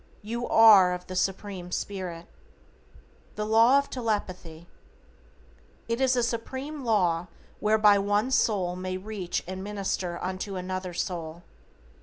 YOU ARE OF THE SUPREME SPIRIT. =THE LAW OF TELEPATHY:= It is a supreme law whereby one soul may reach and minister unto another soul.